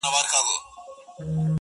o زه مي پر خپلي بې وسۍ باندي تکيه کومه؛